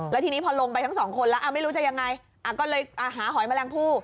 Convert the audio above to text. แล้วทีนี้พอลงไปทั้งสองคนแล้วไม่รู้จะยังไงก็เลยหาหอยแมลงผู้